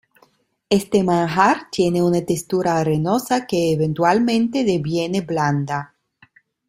Este manjar tiene una textura arenosa que eventualmente deviene blanda.